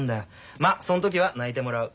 まっそん時は泣いてもらう。